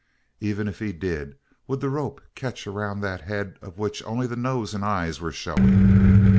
Even if he did, would the rope catch around that head of which only the nose and eyes were showing?